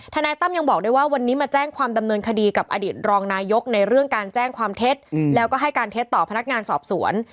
นายตั้มยังบอกด้วยว่าวันนี้มาแจ้งความดำเนินคดีกับอดีตรองนายกในเรื่องการแจ้งความเท็จแล้วก็ให้การเท็จต่อพนักงานสอบสวน